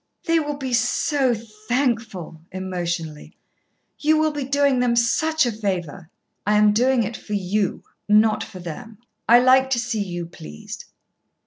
"They will be so thankful," emotionally. "You will be doing them such a favour." "I am doing it for you, not for them. I like to see you pleased."